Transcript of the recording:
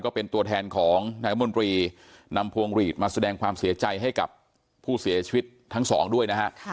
ก็เป็นตัวแทนของนายรัฐมนตรีนำพวงหลีดมาแสดงความเสียใจให้กับผู้เสียชีวิตทั้งสองด้วยนะฮะ